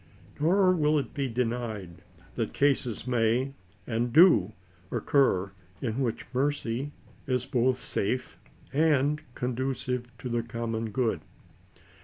Nor will it be denied that cases may and do occur, in which mercy is both safe and conducive to the common good.